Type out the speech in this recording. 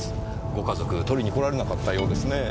ご家族取りに来られなかったようですねぇ。